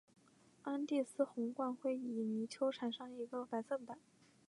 安第斯红鹳会在泥丘上产一只白色的蛋。